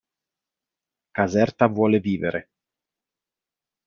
Caserta vuole vivere".